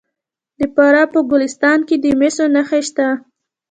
د فراه په ګلستان کې د مسو نښې شته.